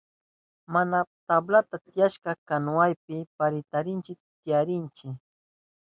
Mana tabla tiyashpan kanuwanchipi parintillapi tiyarinchi.